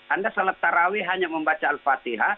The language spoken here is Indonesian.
anda salat tarawih hanya membaca al fatihah